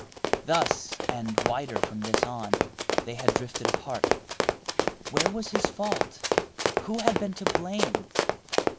Thus, and wider from this on, they had drifted apart. Where was his fault? Who had been to blame?